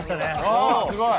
おすごい！